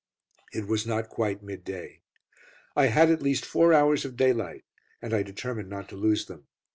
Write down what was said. It was not quite midday. I had at least four hours of daylight, and I determined not to lose them.